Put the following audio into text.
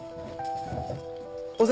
お先。